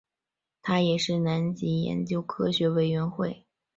他也是南极研究科学委员会第一位苏联代表。